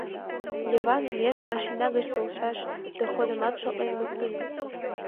Йыван меж машина гыч толшаш доходымат шотлен луктын.